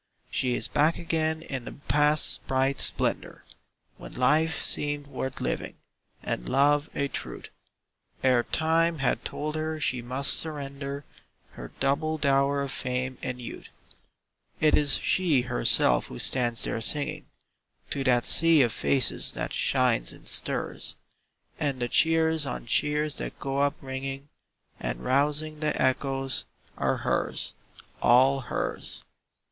She is back again in the Past's bright splendor When life seemed worth living, and love a truth, Ere Time had told her she must surrender Her double dower of fame and youth. It is she herself who stands there singing To that sea of faces that shines and stirs; And the cheers on cheers that go up ringing And rousing the echoes are hers all hers.